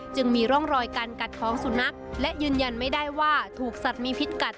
จึงมีร่องรอยการกัดของสุนัขและยืนยันไม่ได้ว่าถูกสัตว์มีพิษกัด